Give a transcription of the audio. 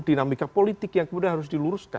dinamika politik yang kemudian harus diluruskan